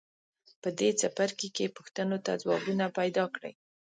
په دې څپرکي کې پوښتنو ته ځوابونه پیداکړئ.